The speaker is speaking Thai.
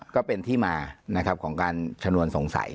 ก็เป็นที่มานะครับของการชนวนสงสัย